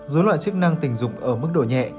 dối loạn chức năng tình dục ở mức độ nhẹ